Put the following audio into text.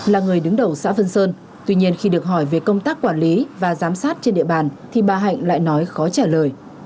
là người đứng đầu xã vân sơn tuy nhiên khi được hỏi về công tác quản lý và giám sát trên địa bàn thì bà hạnh lại nói khó trả lời